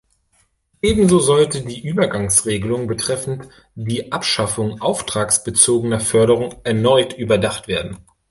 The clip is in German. Ebenso sollte die Übergangsregelung betreffend die Abschaffung auftragsbezogener Förderung erneut überdacht werden.